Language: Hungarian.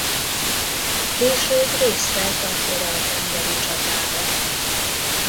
Később részt vett a korall-tengeri csatában.